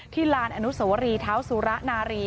ที่ลานศวรีเท้าสุระนารี